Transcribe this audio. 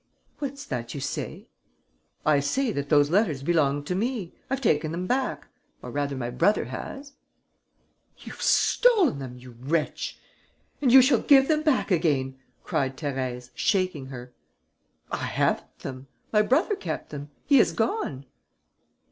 "What's that you say?" "I say that those letters belonged to me. I've taken them back, or rather my brother has." "You've stolen them, you wretch! And you shall give them back again," cried Thérèse, shaking her. "I haven't them. My brother kept them. He has gone."